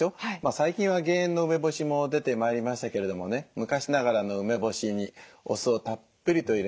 最近は減塩の梅干しも出てまいりましたけれどもね昔ながらの梅干しにお酢をたっぷりと入れましてね。